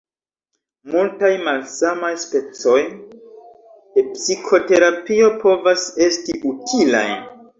Multaj malsamaj specoj de psikoterapio povas esti utilaj.